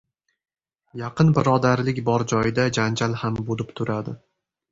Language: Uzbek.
• Yaqin birodarlik bor joyda janjal ham bo‘lib turadi.